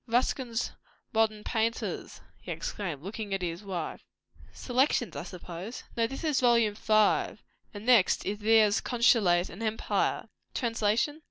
"Ruskin's 'Modern Painters'!" he exclaimed, looking at his wife. "Selections, I suppose." "No, this is Vol. 5. And the next is Thiers' 'Consulate and Empire'!" "Translation."